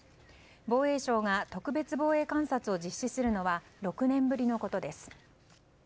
防衛省が特別防衛監察を実施するのは６年ぶりのことです。